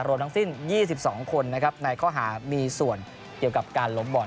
รวมทั้งสิ้น๒๒คนในข้อหามีส่วนเกี่ยวกับการล้มบอด